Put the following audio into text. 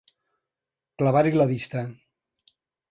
Clavar-hi la vista.